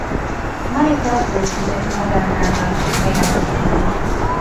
Many pilgrims visit northern Aragon to pray at the shrine.